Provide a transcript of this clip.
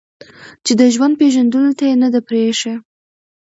چې د ژوند پېژندلو ته يې نه ده پرېښې